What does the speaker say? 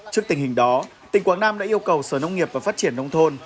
trước tình hình đó tỉnh quảng nam đã yêu cầu sở nông nghiệp và phát triển nông thôn